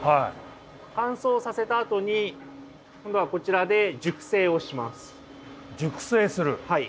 乾燥させたあとに今度はこちらで熟成する？